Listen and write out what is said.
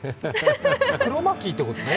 クロマキーってことね？